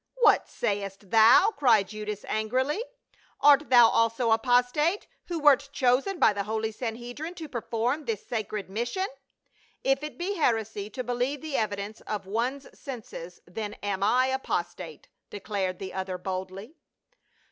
"What sayest thou?" cried Judas angrily. "Art thou also apostate, who wert chosen by the holy San hedrim to perform this sacred mission ?"" If it be heresy to believe the evidence of one's senses then am I apostate," declared the other boldly.